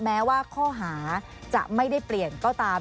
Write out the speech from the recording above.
แม้ว่าข้อหาจะไม่ได้เปลี่ยนก็ตาม